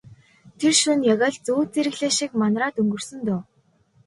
Тэр шөнө яг л зүүд зэрэглээ шиг манараад өнгөрсөн дөө.